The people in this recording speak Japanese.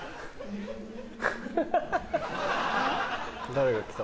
誰か来た。